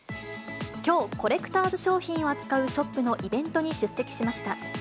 きょう、コレクターズ商品を扱うショップのイベントに出席しました。